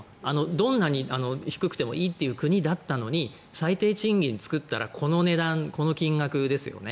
どんなに低くてもいいという国だったのに最低賃金を作ったらこの値段、この金額ですよね。